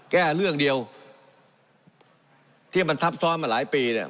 แก้เรื่องเดียวที่มันทับซ้อนมาหลายปีเนี่ย